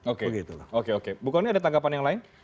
oke bukannya ada tanggapan yang lain